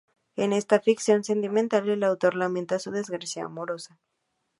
En esta ficción sentimental el autor lamenta su desgracia amorosa.